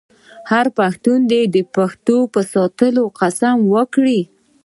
هر پښتون دې د پښتو د ساتلو قسم وکړي.